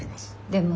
でも。